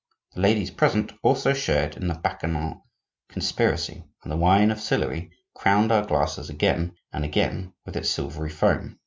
The ladies present also shared in the bacchanal conspiracy, and the wine of Sillery crowned our glasses again and again with its silvery foam.